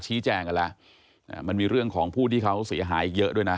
ชี้แจงกันแล้วมันมีเรื่องของผู้ที่เขาเสียหายเยอะด้วยนะ